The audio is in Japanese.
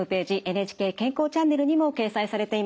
「ＮＨＫ健康チャンネル」にも掲載されています。